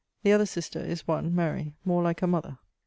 The other sister is (1) Mary, more like her mother.